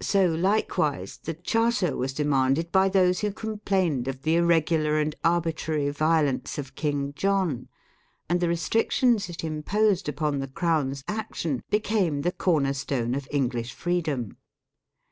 So likewise the Charter was de manded by those who complained of the irregular and arbitrary violence of King John, and the re strictions it imposed upon the Crown's action be came the corner stone of English freedom.